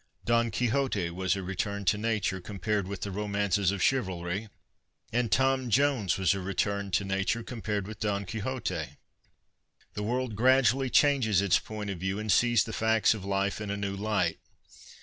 " Don Quixote " was a return to nature, compared with the romances of chivalry, and " Tom Jones "' was a return to nature, compared with " Don Quixote." The world gradually changes its point of view and sees the facts of life in a new light.